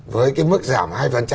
với cái mức giảm hai